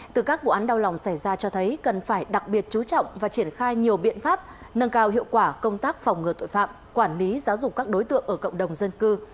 từ các vụ án đau lòng xảy ra cho thấy cần phải đặc biệt chú trọng và triển khai nhiều biện pháp nâng cao hiệu quả công tác phòng ngừa tội phạm quản lý giáo dục các đối tượng ở cộng đồng dân cư